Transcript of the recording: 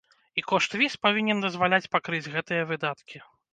І кошт віз павінен дазваляць пакрыць гэтыя выдаткі.